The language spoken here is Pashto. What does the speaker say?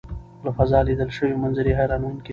له فضا لیدل شوي منظرې حیرانوونکې دي.